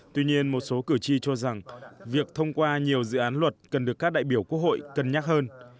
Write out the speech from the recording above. tuy nhiên một số cử tri cho rằng việc thông qua nhiều dự án luật cần được các đại biểu quốc hội cân nhắc hơn